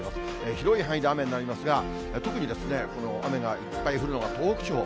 広い範囲で雨になりますが、特に雨がいっぱい降るのが東北地方。